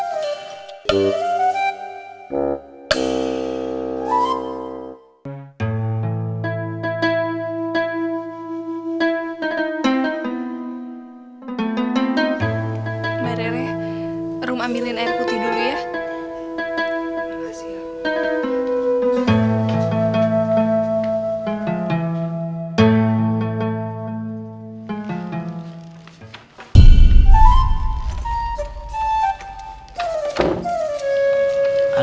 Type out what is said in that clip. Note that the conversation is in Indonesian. mbak rere rum ambilin air putih dulu ya